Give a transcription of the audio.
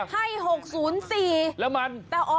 ให้๖๐๔แต่ออก๔๐๕แล้วมันโอ้โธ